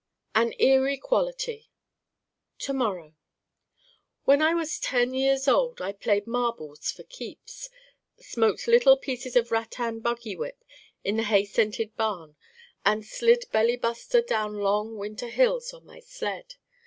An eerie quality To morrow When I was Ten years old I played marbles 'for keeps,' smoked little pieces of rattan buggywhip in the hay scented barn and slid 'belly buster' down long winter hills on my sled.